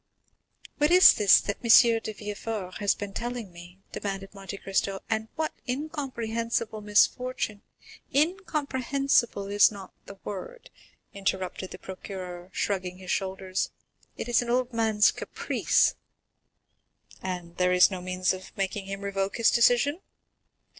"What is this that M. de Villefort has been telling me?" demanded Monte Cristo "and what incomprehensible misfortune——" "Incomprehensible is the word!" interrupted the procureur, shrugging his shoulders. "It is an old man's caprice!" "And is there no means of making him revoke his decision?"